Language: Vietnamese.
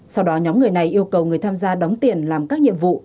sau đó nhóm người này yêu cầu người tham gia đóng tiền làm các nhiệm vụ